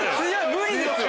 無理です！